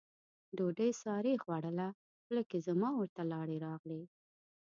ډوډۍ سارې خوړله، خوله کې زما ورته لاړې راغلې.